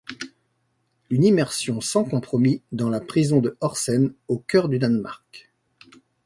Une immersion sans compromis dans la prison de Horsens, au cœur du Danemark.